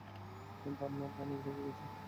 Bernardo অনেক রেগে আছে।